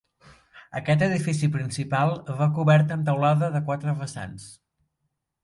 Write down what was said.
Aquest edifici principal va cobert amb teulada de quatre vessants.